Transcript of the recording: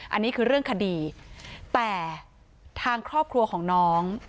อันนี้คือเรื่องคดีแต่ทางครอบครัวของน้อง